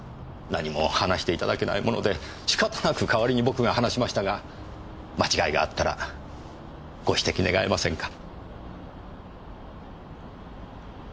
何も話して頂けないもので仕方なく代わりに僕が話しましたが間違いがあったらご指摘願えませんか？